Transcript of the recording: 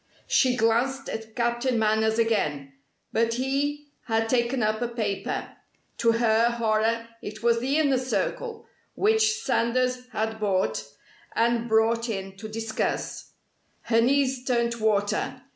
She glanced at Captain Manners again, but he had taken up a paper. To her horror it was the Inner Circle, which Sanders had bought and brought in to discuss. Her knees turned to water.